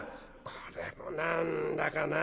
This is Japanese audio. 「これも何だかな。